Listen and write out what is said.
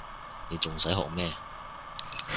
你仲使學咩